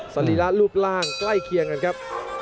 สรีระรูปร่างใกล้เคียงกันครับ